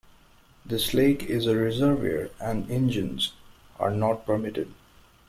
This lake is a reservoir and engines are not permitted.